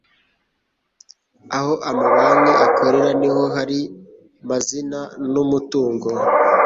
aho amabanki akorera niho har amazina n umutungo